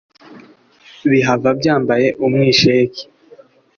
Bihava byambaye umwisheke!